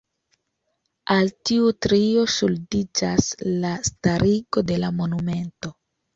Al tiu trio ŝuldiĝas la starigo de la monumento.